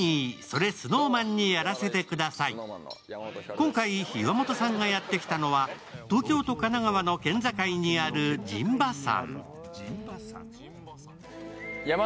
今回、岩本さんがやって来たのは東京と神奈川の県境にある陣馬山。